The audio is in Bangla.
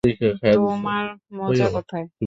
তোমার মোজা কোথায়?